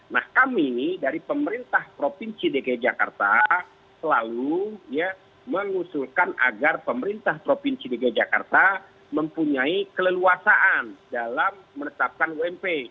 nah kami dari pemerintah provinsi dki jakarta selalu mengusulkan agar pemerintah provinsi dki jakarta mempunyai keleluasaan dalam menetapkan ump